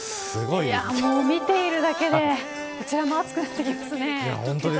見ているだけでこちらも暑くなってきますね。